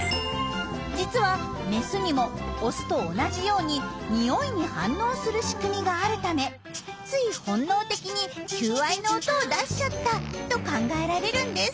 実はメスにもオスと同じようににおいに反応する仕組みがあるためつい本能的に求愛の音を出しちゃったと考えられるんです。